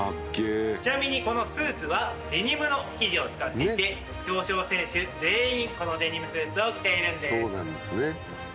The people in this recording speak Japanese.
ちなみにこのスーツはデニムの生地を使っていて表彰選手全員このデニムスーツを着ているんです。